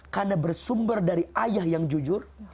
karena bersumber dari ayah yang jujur